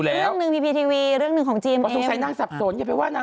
ลาเมย์จะไม่ยุ่ง